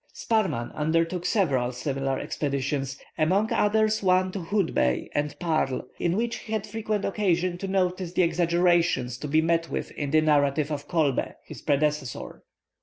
Sparrman undertook several similar expeditions, among others, one to Hout Bay and Paarl, in which he had frequent occasion to notice the exaggerations to be met with in the narrative of Kolbe, his predecessor.